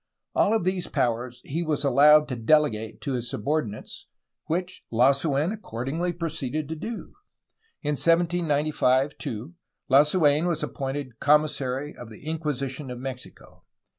All of these powers he was allowed to delegate to his subordinates, which Lasu^n accordingly proceeded to do. In 1795, too, Lasu^n was appointed commissary of the Inquisition of Mexico.